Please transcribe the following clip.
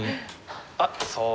あっそう。